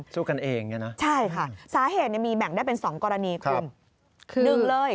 สู้กันเองอย่างนี้นะใช่ค่ะสาเหตุนี้มีแบ่งได้เป็น๒กรณีคือ